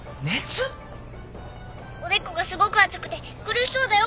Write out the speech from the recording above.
☎おでこがすごく熱くて苦しそうだよ